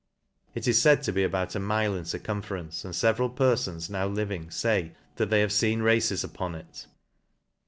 It is faid to be about a mile in circumference, and feveral perfons now living fay, that they have feen races upon it.